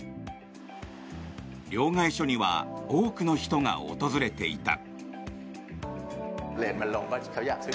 両替所には多くの人が訪れていた。